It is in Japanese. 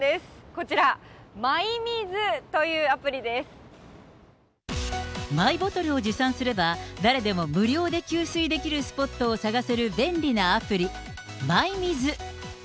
こちら、マイミズというアプリでマイボトルを持参すれば、誰でも無料で給水できるスポットを探せる便利なアプリ、マイミズ。